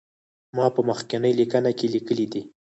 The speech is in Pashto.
ما په مخکینی لیکنه کې لیکلي دي.